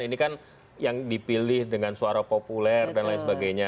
ini kan yang dipilih dengan suara populer dan lain sebagainya